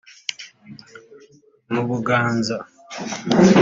mu Buganza